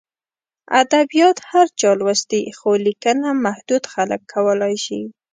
ادبیات هر چا لوستي، خو لیکنه محدود خلک کولای شي.